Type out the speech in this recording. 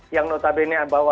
yang notabene bawahannya